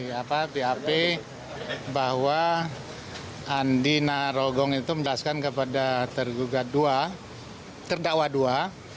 saya di bap bahwa andi naragong itu mendahaskan kepada terdakwa dua